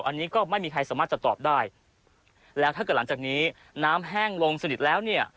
อันนี้ก็ไม่มีใครสามารถจะตอบได้แล้วถ้าเกิดหลังจากนี้น้ำแห้งลงสนิทแล้วเนี่ย